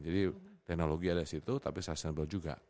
jadi teknologi ada di situ tapi sustainable juga